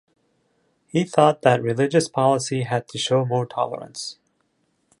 He thought that religious policy had to show more tolerance.